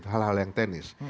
hal hal yang teknis